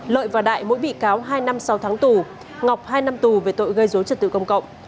lợi và đại mỗi bị cáo hai năm sáu tháng tù ngọc hai năm tù về tội gây dối trật tự công cộng